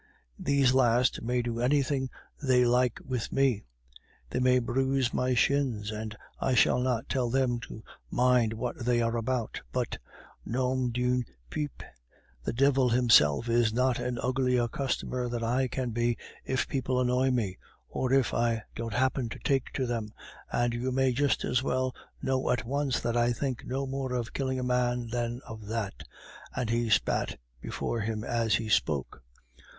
These last may do anything they like with me; they may bruise my shins, and I shall not tell them to 'mind what they are about'; but, nom d'une pipe, the devil himself is not an uglier customer than I can be if people annoy me, or if I don't happen to take to them; and you may just as well know at once that I think no more of killing a man than of that," and he spat before him as he spoke.